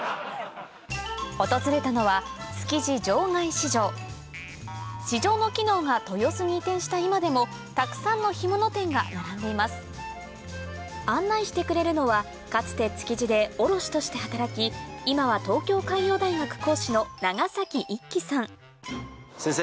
訪れたのは築地場外市場市場の機能が豊洲に移転した今でもたくさんの干物店が並んでいます案内してくれるのはかつて築地で卸として働き今は東京海洋大学講師のながさき一生さん先生